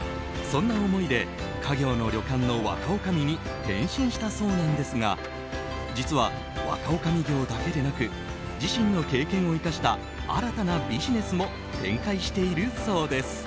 そんな思いで家業の旅館の若おかみに転身したそうなんですが実は、若おかみ業だけでなく自身の経験を生かした新たなビジネスも展開しているそうです。